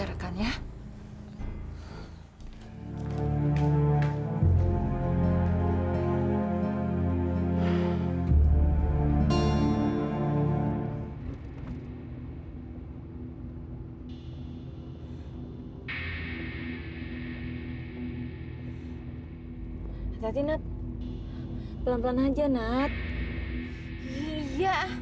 aku ngadiahkan katanya